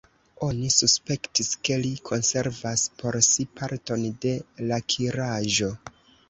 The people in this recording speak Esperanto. Oni suspektis, ke li konservas por si parton de l' akiraĵo.